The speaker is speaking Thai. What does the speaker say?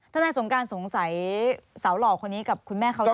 ทำไมสงการสงสัยสาวหล่อคนนี้กับคุณแม่เขาตั้งแต่แรก